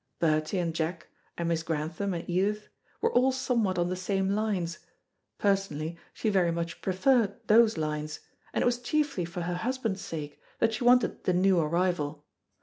Bertie and Jack, and Miss Grantham and Edith, were all somewhat on the same lines. Personally, she very much preferred those lines; and it was chiefly for her husband's sake that she wanted the new arrival.